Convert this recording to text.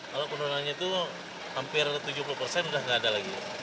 kalau penurunannya itu hampir tujuh puluh persen sudah tidak ada lagi